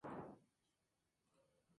Es experto en Derecho Canónico y Teología.